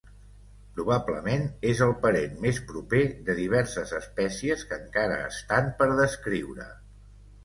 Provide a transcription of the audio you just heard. Probablement és el parent més proper de diverses espècies que encara estan per descriure.